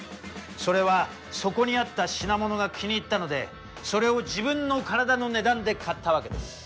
それはそこにあった品物が気に入ったのでそれを自分の体の値段で買ったわけです。